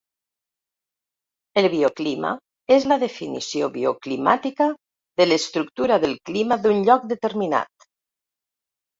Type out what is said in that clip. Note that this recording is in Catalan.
El bioclima és la definició bioclimàtica de l'estructura del clima d'un lloc determinat.